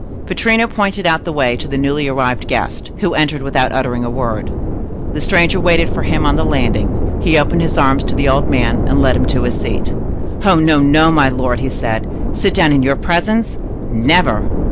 Pittrino pointed out the way to the newly arrived guest, who entered without uttering a word. The stranger waited for him on the landing; he opened his arms to the old man, and led him to a seat. "Oh, no, no, my lord!" said he. "Sit down in your presence?—never!"